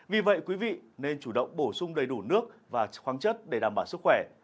vì vậy quý vị nên chủ động bổ sung đầy đủ nước và khoáng chất để đảm bảo sức khỏe